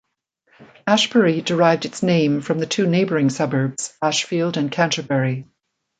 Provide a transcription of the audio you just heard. Ashbury derived its name from the two neighbouring suburbs Ashfield and Canterbury.